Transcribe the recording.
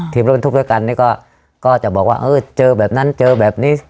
รถบรรทุกด้วยกันนี่ก็จะบอกว่าเออเจอแบบนั้นเจอแบบนี้